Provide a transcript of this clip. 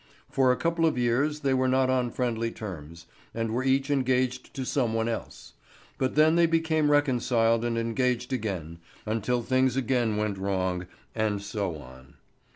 For a couple of years they were not on friendly terms, and were each engaged to some one else; but then they became reconciled and engaged again, until things again went wrong, and so on.